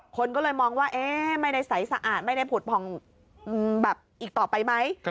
คนก็เลยมองว่าไม่ได้ใสสะอาดไม่ได้ผุดผ่องแบบอีกต่อไปไหม